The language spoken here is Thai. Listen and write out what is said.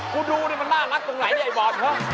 กูดูดิมันหน้ามากตรงไหนเนี่ยไอ้บอส